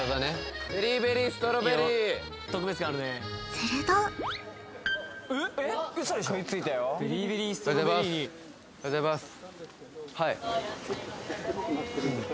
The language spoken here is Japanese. すると目黒くんのおはようございます